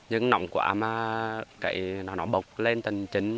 nhưng nóng quá mà nó bọc lên tầng chính